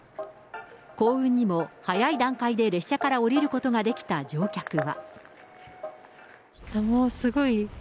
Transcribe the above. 幸運にも、早い段階で列車から降りることができた乗客は。